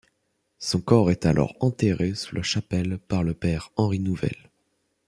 Son corps est alors enterré sous la chapelle par le père Henri Nouvel.